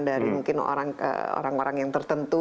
dari mungkin orang orang yang tertentu